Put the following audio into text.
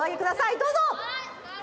どうぞ！